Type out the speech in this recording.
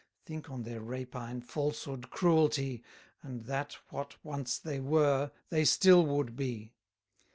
Think on their rapine, falsehood, cruelty, And that what once they were, they still would be.